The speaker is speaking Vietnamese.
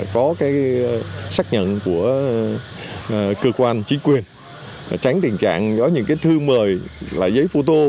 có cái xác nhận của cơ quan chính quyền tránh tình trạng có những cái thư mời là giấy phô tô